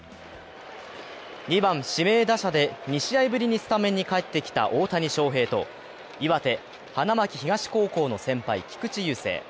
２番・指名打者で２試合ぶりにスタメンに帰ってきた大谷翔平と岩手・花巻東高校の先輩、菊池雄星。